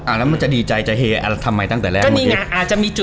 แล้วมันจะดีใจจะเฮทำไมตั้งแต่ก็มีงานอาจจะมีจุด